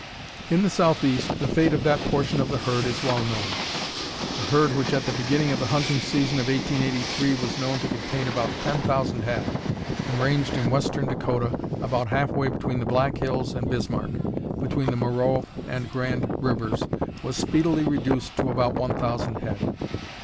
In the southeast the fate of that portion of the herd is well known. The herd which at the beginning of the hunting season of 1883 was known to contain about ten thousand head, and ranged in western Dakota, about half way between the Black Hills and Bismarck, between the Moreau and Grand Rivers, was speedily reduced to about one thousand head.